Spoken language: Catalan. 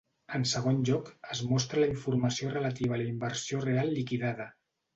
En segon lloc, es mostra la informació relativa a la inversió real liquidada.